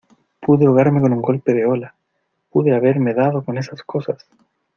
¡ pude ahogarme con un golpe de ola, pude haberme dado con esas cosas!